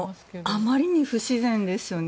あまりに不自然ですよね。